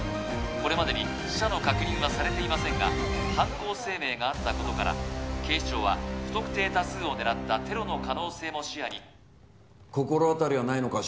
これまでに死者の確認はされていませんが犯行声明があったことから警視庁は不特定多数を狙ったテロの可能性も視野に心当たりはないのか？